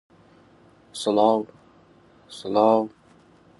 کە من هەر دەمبیست و خۆم وەک پێویستە نەمدەناسی